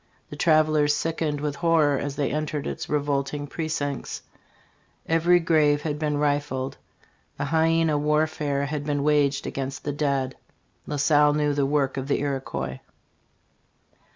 The travelers sickened with horror as they entered its revolting precincts. Every grave had been rifled. A hyena warfare had been waged against the dead. La Salle knew the work of the Iroquois."